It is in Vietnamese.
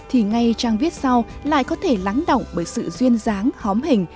thì ngay trang viết sau lại có thể lắng động bởi sự duyên dáng hóm hình